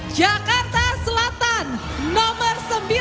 jakarta selatan nomor sembilan